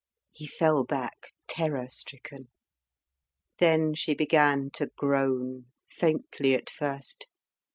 He fell back terror stricken. Then she began to groan, faintly at first.